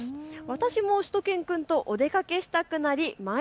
私もしゅと犬くんとお出かけしたくなりマイ